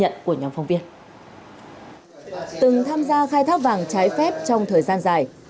từng tham gia khai thác vàng trái phép trong thời gian dài